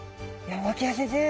脇谷先生